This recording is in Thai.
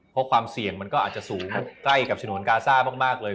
เพราะความเสี่ยงมันก็อาจจะสูงใกล้กับฉนวนกาซ่ามากเลย